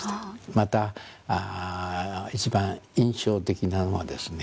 また一番印象的なのはですね